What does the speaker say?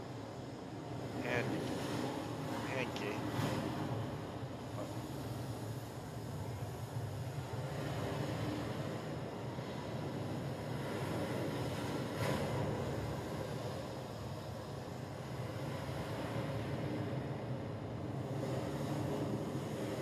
Handke thus proposed adding his writings via voice-over.